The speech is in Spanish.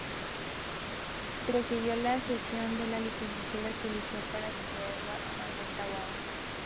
Presidió la sesión de la legislatura que eligió para sucederlo a Manuel Taboada.